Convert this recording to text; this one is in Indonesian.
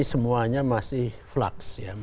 semuanya masih flux